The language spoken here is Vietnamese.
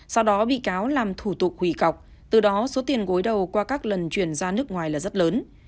sau đó bị cáo làm thủ tục hủy cọc từ đó số tiền gối đầu qua các lần chuyển ra nước ngoài là rất lớn